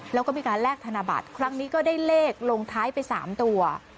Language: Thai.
แล้วก็มีการแลกธนบัตรครั้งนี้ก็ได้เลขลงท้ายไป๓ตัว